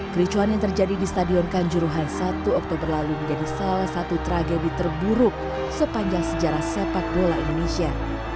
kericuan yang terjadi di stadion kanjuruhan satu oktober lalu menjadi salah satu tragedi terburuk sepanjang sejarah sepak bola indonesia